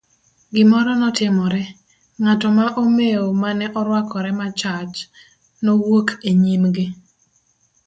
Gimoro notimore, ng'ato ma omewo mane oruakore machach, nowuok e nyim gi.